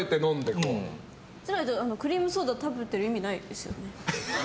そうじゃないとクリームソーダ食べてる意味ないですよね。